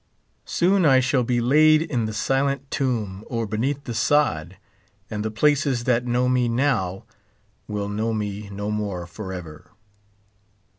Soon I shall be laid in the silent tomb or beneath the sod ; and the places that know me now will know me no more forever.